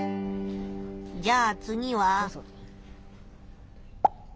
じゃあ次は？